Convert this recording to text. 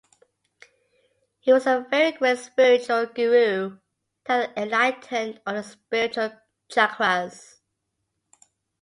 He was a very great spiritual guru and had enlightened all the spiritual chakras.